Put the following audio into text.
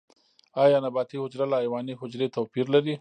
ایا نباتي حجره له حیواني حجرې توپیر لري؟